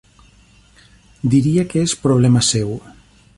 Diria que és problema seu.